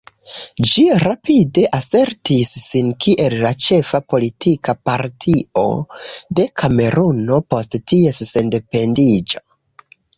Ĝi rapide asertis sin kiel la ĉefa politika partio de Kameruno post ties sendependiĝo.